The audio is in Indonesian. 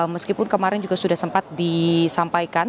meskipun kemarin juga sudah sempat disampaikan